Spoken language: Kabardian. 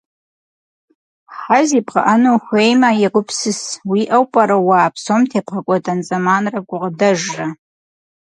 Хьэ зибгъэӏэну ухуеймэ, егупсыс, уиӏэу пӏэрэ уэ а псом тебгъэкӏуэдэн зэманрэ гукъыдэжрэ.